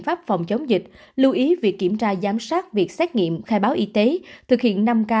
pháp phòng chống dịch lưu ý việc kiểm tra giám sát việc xét nghiệm khai báo y tế thực hiện năm k